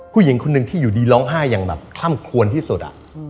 ผู้หญิงคนหนึ่งที่อยู่ดีร้องไห้อย่างแบบค่ำควรที่สุด